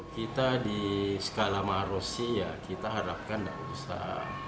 kita di skala marosi ya kita harapkan tidak usah